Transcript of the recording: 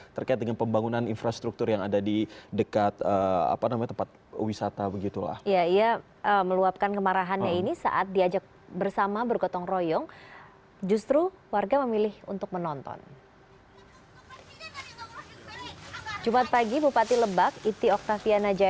terkait dengan pembangunan infrastruktur yang ada di dekat tempat wisata